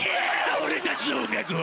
俺たちの音楽を！